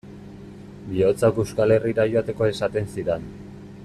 Bihotzak Euskal Herrira joateko esaten zidan.